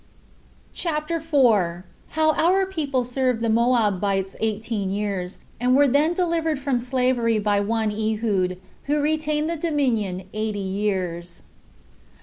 CHAPTER 4. How Our People Served The Moabites Eighteen Years, And Were Then Delivered From Slavery By One Ehud Who Retained The Dominion Eighty Years.